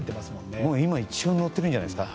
今、一番乗ってるんじゃないですか。